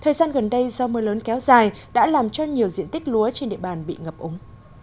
thời gian gần đây do mưa lớn kéo dài đã làm cho nhiều diện tích lúa trên địa bàn bị ngập ống